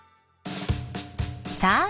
さあ